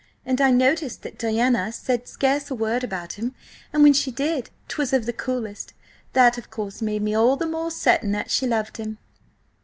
And I noticed that Diana said scarce a word about him, and when she did 'twas of the coolest. That, of course, made me all the more certain that she loved him."